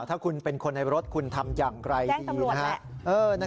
ถ้าคุณเป็นคนในรถคุณทำอย่างไรดีนะครับ